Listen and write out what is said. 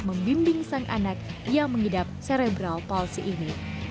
membimbing sang anak yang mengidap serebral palsi ini